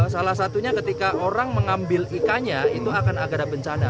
salah satunya ketika orang mengambil ikannya itu akan agak ada bencana